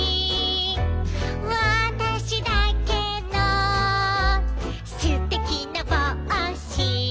「わたしだけのすてきな帽子」